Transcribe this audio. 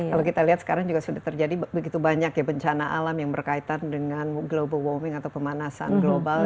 kalau kita lihat sekarang juga sudah terjadi begitu banyak ya bencana alam yang berkaitan dengan global warming atau pemanasan global